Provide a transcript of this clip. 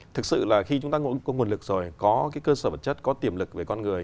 thực sự là khi chúng ta có nguồn lực rồi có cái cơ sở vật chất có tiềm lực về con người